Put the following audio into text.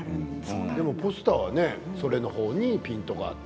ポスターはねソレのほうにピントが合って。